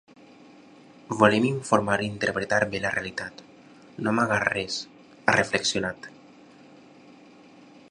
Volem informar i interpretar bé la realitat, no amagar res, ha reflexionat.